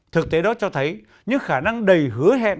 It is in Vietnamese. thực tế đó cho thấy những khả năng đầy hứa hẹn